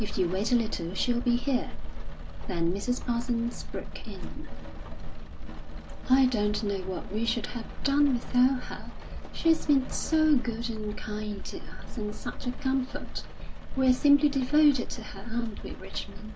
"If you wait a little she'll be here." Then Mrs. Parsons broke in. "I don't know what we should have done without her; she's been so good and kind to us, and such a comfort. We're simply devoted to her, aren't we, Richmond?"